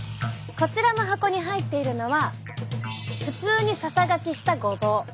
こちらの箱に入っているのは普通にささがきしたごぼう。